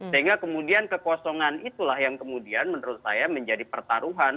sehingga kemudian kekosongan itulah yang kemudian menurut saya menjadi pertaruhan